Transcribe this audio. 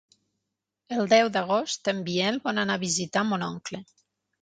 El deu d'agost en Biel vol anar a visitar mon oncle.